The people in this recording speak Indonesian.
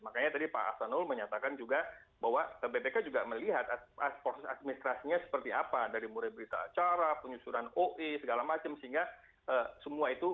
makanya tadi pak ahsanul menyatakan juga bahwa bpk juga melihat proses administrasinya seperti apa dari mulai berita acara penyusuran oe segala macam sehingga semua itu